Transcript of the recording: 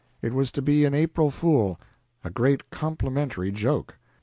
It was to be an April fool a great complimentary joke.